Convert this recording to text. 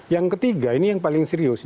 yang ketiga ini yang paling serius